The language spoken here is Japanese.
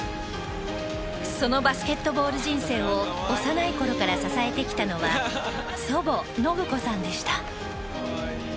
そのバスケットボール人生を幼い頃から支えてきたのは祖母・信子さんでした。